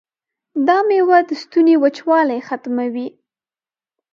دا میوه د ستوني وچوالی ختموي.